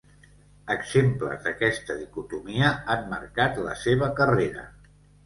Exemples d'aquesta dicotomia han marcat la seva carrera.